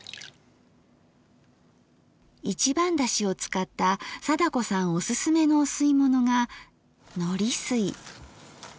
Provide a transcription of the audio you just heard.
一番だしを使った貞子さんおすすめのお吸い物がのりすい。